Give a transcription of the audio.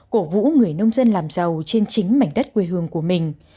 cổ vũ người nông dân làm giàu trên chính mảnh đất quê hương của mình